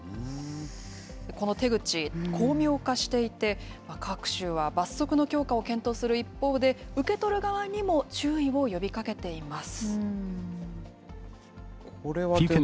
この手口、巧妙化していて、各州は罰則の強化を検討する一方で、受け取る側にも注意を呼びかけています。